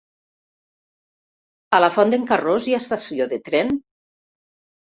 A la Font d'en Carròs hi ha estació de tren?